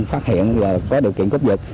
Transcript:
phát hiện là có điều kiện cốt dịch